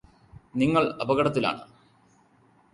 നിങ്ങള് അപകടത്തിലാണെന്ന്